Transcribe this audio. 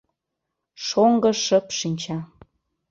Шоҥго шып шинча